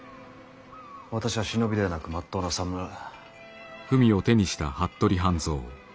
私は忍びではなくまっとうなさむらはあ。